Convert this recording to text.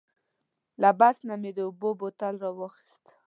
له بکس نه مې د اوبو بوتل راواخیست.